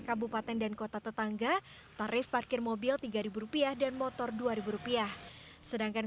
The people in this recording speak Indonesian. kabupaten dan kota tetangga tarif parkir mobil tiga rupiah dan motor dua ribu rupiah sedangkan